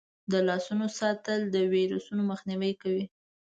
د لاسونو پاک ساتل د ویروسونو مخنیوی کوي.